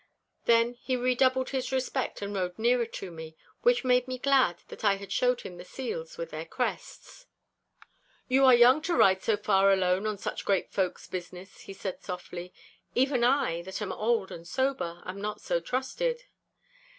Then he redoubled his respect and rode nearer to me, which made me glad that I had showed him the seals with their crests. 'You are young to ride so far alone on such great folk's business,' he said softly. 'Even I, that am old and sober, am not so trusted.